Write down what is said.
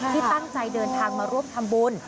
ที่ตั้งใจเดินทางมาร่วมทำบุญ